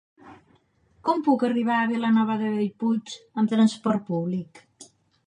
Com puc arribar a Vilanova de Bellpuig amb trasport públic?